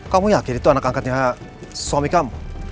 kamu yakin itu anak angkatnya suami kamu